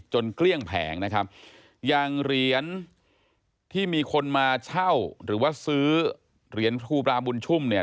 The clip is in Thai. เกลี้ยงแผงนะครับอย่างเหรียญที่มีคนมาเช่าหรือว่าซื้อเหรียญทูปราบุญชุ่มเนี่ย